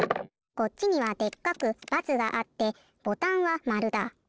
こっちにはでっかく×があってボタンは○だ。